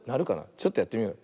ちょっとやってみよう。